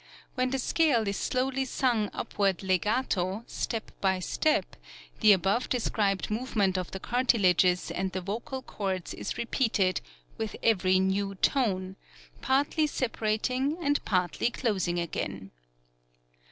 When the scale is slowly sung upward legato, step by step, the above described movement of the cartilages and the vocal cords is repeated with every new tone, partly separating and partly closing again.